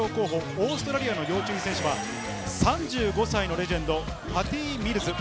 オーストラリアの要注意選手は３５歳のレジェンド、パティ・ミルズ。